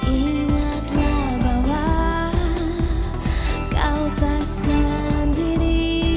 ingatlah bahwa kau tak sendiri